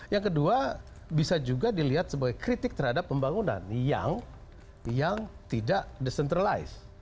yang kedua bisa juga dilihat sebagai kritik terhadap pembangunan yang tidak decentralized